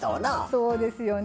そうですよね。